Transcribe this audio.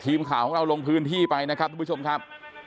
ทีมข่าวของเราลงพื้นที่ไปนะครับทุกผู้ชมครับ